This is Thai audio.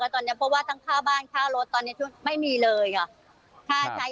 ตอนนี้เพราะว่าทั้งค่าบ้านค่ารถตอนนี้ไม่มีเลยค่ะค่าใช้